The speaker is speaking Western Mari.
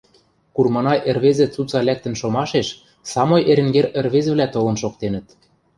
Курманай ӹрвезӹ цуца лӓктӹн шомашеш самой Эренгер ӹрвезӹвлӓ толын шоктенӹт...